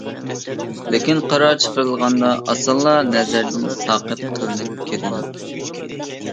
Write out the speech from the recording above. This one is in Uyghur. لېكىن قارار چىقىرىلغاندا ئاسانلا نەزەردىن ساقىت قىلىنىپ كېتىدۇ.